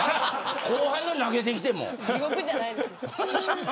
後輩が投げてきても。